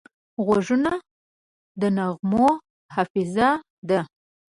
غوږونه د نغمو حافظه ده